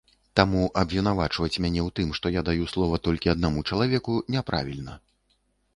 Таму абвінавачваць мяне ў тым, што я даю слова толькі аднаму чалавеку, не правільна.